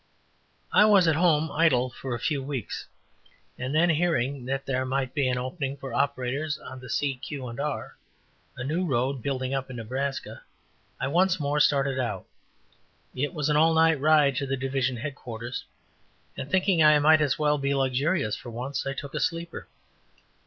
I was at home idle for a few weeks, and then hearing that there might be an opening for operators on the C. Q. & R., a new road building up in Nebraska, I once more started out. It was an all night ride to the division headquarters, and thinking I might as well be luxurious for once, I took a sleeper.